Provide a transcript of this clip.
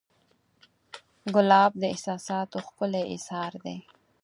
ګلاب د احساساتو ښکلی اظهار دی.